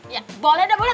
ya boleh dah boleh